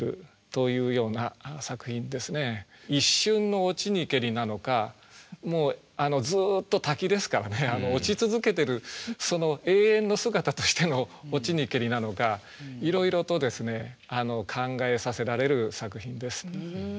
一瞬の「落ちにけり」なのかもうずっと滝ですからね落ち続けてるその永遠の姿としての「落ちにけり」なのかいろいろとですね考えさせられる作品です。